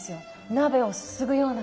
鍋をすすぐような感覚。